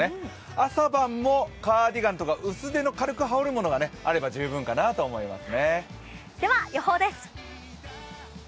朝晩もカーディガンとか薄手の軽く羽織るものがあれば十分かと思います。